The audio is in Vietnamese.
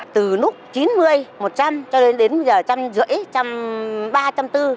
từ lúc chín mươi đồng một trăm linh đồng cho đến giờ một trăm năm mươi đồng ba trăm linh đồng bốn trăm linh đồng